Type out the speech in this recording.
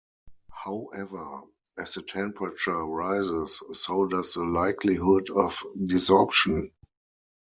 However, as the temperature rises, so does the likelihood of desorption.